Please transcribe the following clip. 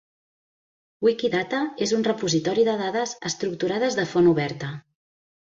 Wikidata és un repositori de dades estructurades de font oberta.